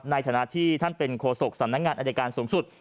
ในฐานะที่ท่านเป็นโฆษกสำนักงานอายการสูงสุด